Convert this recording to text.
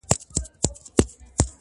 که بارونه په پسونو سي څوک وړلای؛